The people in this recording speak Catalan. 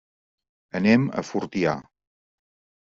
Anem a Fortià.